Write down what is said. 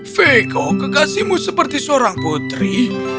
veko kekasihmu seperti seorang putri